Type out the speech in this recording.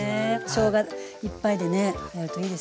しょうがいっぱいでねやるといいですよね。